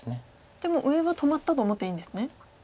じゃあもう上は止まったと思っていいんですね？